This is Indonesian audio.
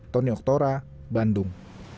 tony oktora bandung